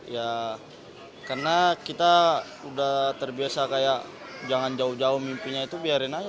ya karena kita udah terbiasa kayak jangan jauh jauh mimpinya itu biarin aja